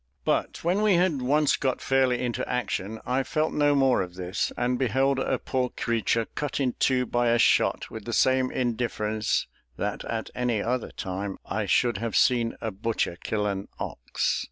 But when we had once got fairly into action, I felt no more of this, and beheld a poor creature cut in two by a shot with the same indifference that at any other time I should have seen a butcher kill an ox.